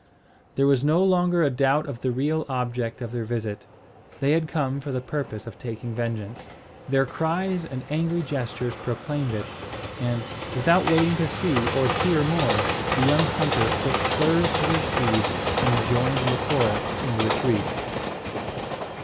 There was no longer a doubt of the real object of their visit. They had come for the purpose of taking vengeance. Their cries and angry gestures proclaimed it; and, without waiting to see or hear more, the young hunters put spurs to their steeds and joined Macora in the retreat.